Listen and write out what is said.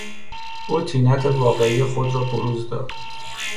او طینت واقعی خود را بروز داد.